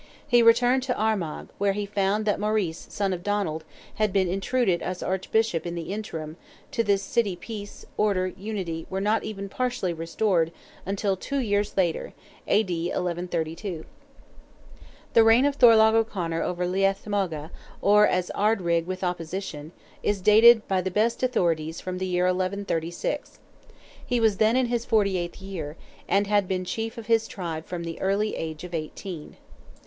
He returned to Armagh, where he found that Maurice, son of Donald, had been intruded as Archbishop in the interim, to this city peace, order, and unity, were not even partially restored, until two years later—A.D., 1132. The reign of Thorlogh O'Conor over Leath Mogha, or as Ard Righ "with opposition," is dated by the best authorities from the year 1136. He was then in his forty eighth year, and had been chief of his tribe from the early age of eighteen.